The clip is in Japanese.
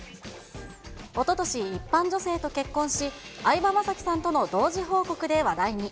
おととし、一般女性と結婚し、相葉雅紀さんとの同時報告で話題に。